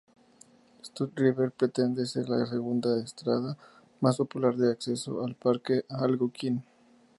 South River pretende ser la segunda entrada más popular de acceso al Parque Algonquin.